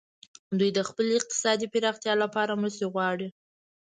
دوی د خپلې اقتصادي پراختیا لپاره مرستې غواړي